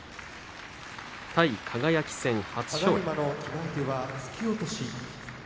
対輝戦、初勝利。